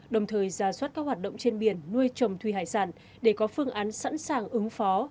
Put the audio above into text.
đồng thời ra soát các hoạt động trên biển nuôi trồng thủy hải sản để có phương án sẵn sàng ứng phó